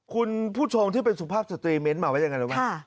คุณผู้ชมที่เป็นสุภาพสตรีเม้นต์มาว่ายังไงรู้ไหม